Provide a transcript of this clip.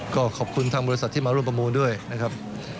ก็ขอบคุณทางบริษัทที่มาร่วมประมูลด้วยนะครับ